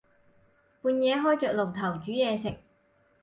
半夜開着爐頭煮嘢食